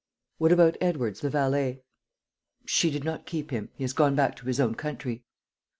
"What about Edwards, the valet?" "She did not keep him. He has gone back to his own country."